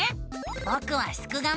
ぼくはすくがミ。